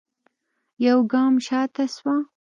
يوګام شاته سوه.